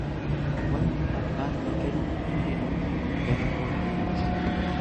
Wanti abbaan na kennu hundinuu gara koo ni dhufa.